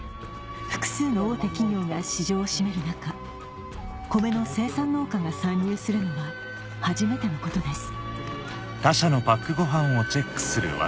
複数の大手企業が市場を占める中コメの生産農家が参入するのは初めてのことです